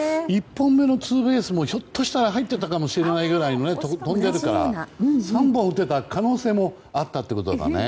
１本目のツーベースもひょっとしたら入っていたかもしれないぐらい飛んでるから３本打てた可能性もあったということだからね。